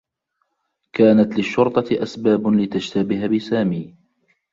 كانت للشرطة اسباب لتشتبه بسامي.